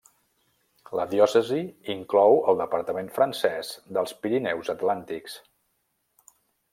La diòcesi inclou el departament francès dels Pirineus atlàntics.